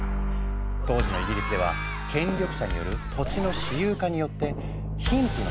当時のイギリスでは権力者による土地の私有化によって貧富の差が広がっていった。